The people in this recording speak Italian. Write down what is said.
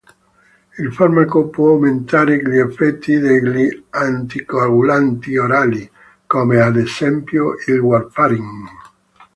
Il farmaco può aumentare gli effetti degli anticoagulanti orali, come ad esempio il warfarin.